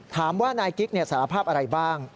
ถามว่านายกิ๊กสารภาพอะไรบ้าง